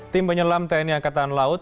tim penyelam tni angkatan laut